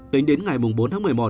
tính đến ngày bốn tháng một mươi một